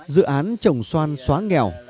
dự án trồng xoan xóa nghèo